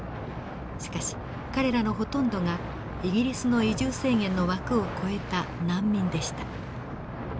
しかし彼らのほとんどがイギリスの移住制限の枠を超えた難民でした。